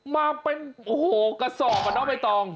มาเป็นโอ้โหกระสอบอ่ะเนอะไม่ต้อง